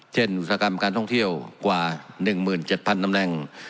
เช่นอุตสาหกรรมการท่องเที่ยวกว่าหนึ่งหมื่นเจ็ดพันตำแหน่ง